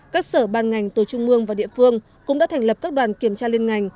các sở ban ngành từ trung mương và địa phương cũng đã thành lập các đoàn kiểm tra liên ngành